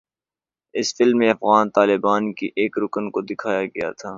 اس film میں افغان طالبان کے ایک رکن کو دکھایا گیا تھا